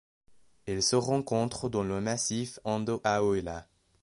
Elle se rencontre dans le massif Andohahela.